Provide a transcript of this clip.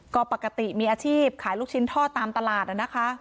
ก็ปกติมีอาชีพขายลูกชิ้นทอดตามตลาดนะคะ